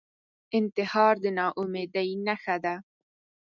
انتحار د ناامیدۍ نښه ده